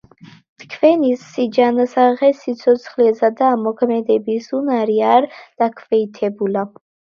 თქვენი სიჯანსაღე, სიცოცხლისა და მოქმედების უნარი არ დაქვეითებულა.